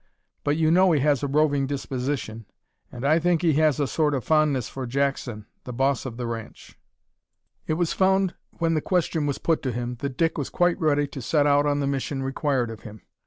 But you know he has a roving disposition, and I think he has a sort of fondness for Jackson the boss of the ranch." It was found when the question was put to him, that Dick was quite ready to set out on the mission required of him.